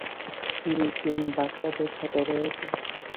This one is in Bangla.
সীল টিম বাচ্চাদের সাথে রয়েছে।